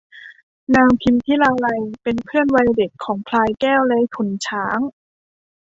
นางพิมพิลาไลยเป็นเพื่อนวัยเด็กของพลายแก้วและขุนช้าง